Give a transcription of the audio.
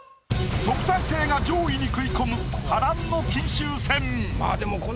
特待生が上位に食い込む波乱の金秋戦。